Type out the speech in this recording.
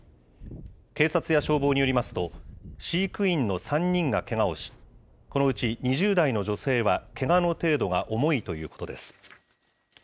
警察や消防によりますと、飼育員の３人がけがをし、このうち２０代の女性は、けがの程度が重いということです。